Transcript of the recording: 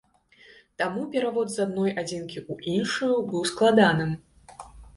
Таму перавод з адной адзінкі ў іншую быў складаным.